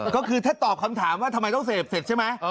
ก็คือถ้าตอบคำถามว่าทำไมต้องเสพเสร็จใช่ไหม